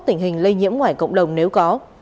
tình hình lây nhiễm ngoài cộng đồng nếu có